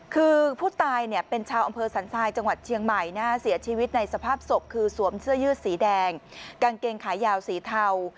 คือผู้ตายเนี่ยเป็นชาวอำเภอสันทรายจังหวัดเชียงใหม่เสียชีวิตในสภาพศพคือสวมเสื้อยืดสีแดงกางเกงขายาวสีเทา